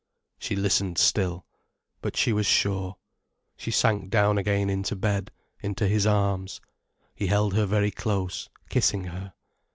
She listened still. But she was sure. She sank down again into bed, into his arms. He held her very close, kissing her.